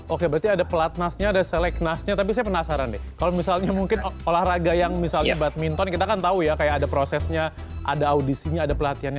oke berarti ada pelatnasnya ada selek nasnya tapi saya penasaran deh kalau misalnya mungkin olahraga yang misalnya badminton kita kan tahu ya kayak ada prosesnya ada audisinya ada pelatihannya